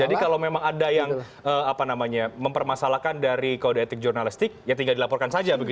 jadi kalau memang ada yang mempermasalahkan dari kode etik jurnalistik ya tinggal dilaporkan saja